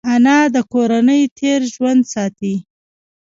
انا د کورنۍ تېر ژوند ساتي